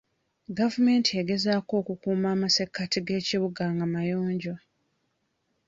Gavumenti egezaako okukuuma amasekkati g'ekibuga nga mayonjo.